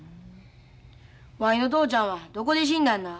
わいの父ちゃんはどこで死んだんな？